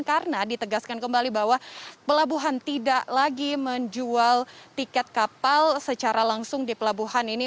karena ditegaskan kembali bahwa pelabuhan tidak lagi menjual tiket kapal secara langsung di pelabuhan ini